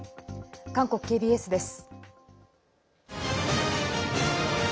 韓国ＫＢＳです。